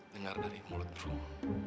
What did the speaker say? dengar dari mulut rum